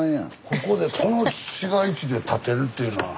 ここでこの市街地で建てるっていうのは。